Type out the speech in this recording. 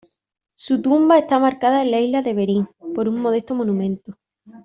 Su tumba está marcada en la isla de Bering por un modesto monumento.